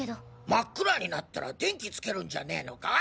真っ暗になったら電気つけるんじゃねのか？